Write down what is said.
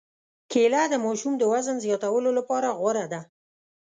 کېله د ماشوم د وزن زیاتولو لپاره غوره ده.